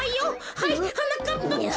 はいはなかっぱくん。